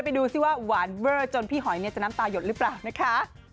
ดูสิว่าหวานเบอร์จนพี่หอยจะน้ำตาหยดหรือเปล่านะคะ